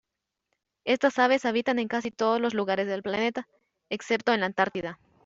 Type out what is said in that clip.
Estas aves habitan en casi todos los lugares del planeta, excepto en la Antártida.